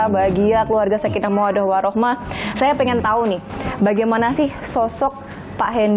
bahasa maduranya batu beto olar